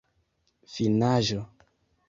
finaĵo